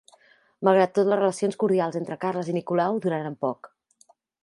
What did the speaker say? Malgrat tot, les relacions cordials entre Carles i Nicolau duraren poc.